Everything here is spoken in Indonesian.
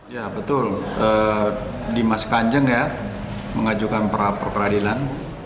ya betul dimas kanjeng ya mengajukan peradilan